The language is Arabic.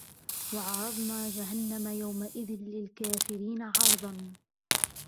وَعَرَضْنَا جَهَنَّمَ يَوْمَئِذٍ لِلْكَافِرِينَ عَرْضًا